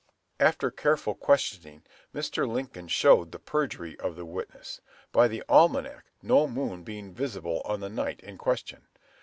After careful questioning, Mr. Lincoln showed the perjury of the witness, by the almanac, no moon being visible on the night in question.